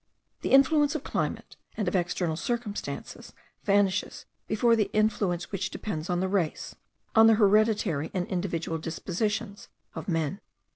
The influence of climate, and of external circumstances, vanishes before the influence which depends on the race, on the hereditary and individual dispositions of men.